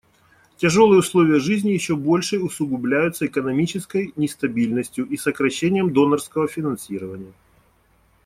Тяжелые условия жизни еще больше усугубляются экономической нестабильностью и сокращением донорского финансирования.